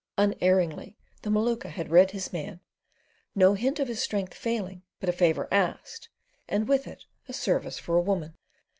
Unerringly the Maluka had read his man: no hint of his strength failing, but a favour asked, and with it a service for a woman.